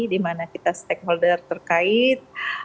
di mana kita stakeholder terkait